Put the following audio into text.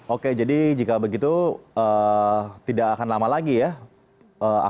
oke jadi jika begitu tidak akan lama lagi ya